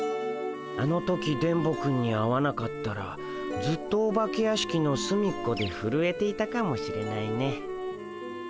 あの時電ボくんに会わなかったらずっとお化け屋敷のすみっこでふるえていたかもしれないね。